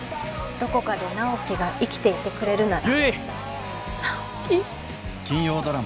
どこかで直木が生きていてくれるなら悠依！